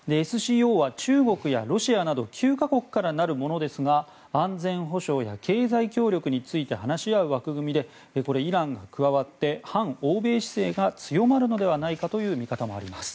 ＳＣＯは中国やロシアなど９か国からなるものですが安全保障や経済協力について話し合う枠組みでこれ、イランが加わって反欧米姿勢が強まるのではないかという見方もあります。